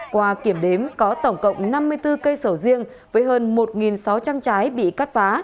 qua kiểm đếm có tổng cộng năm mươi bốn cây sầu riêng với hơn một sáu trăm linh trái bị cắt phá